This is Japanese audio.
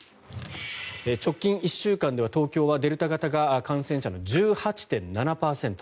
直近１週間では東京ではデルタ型が感染者の１８．７％。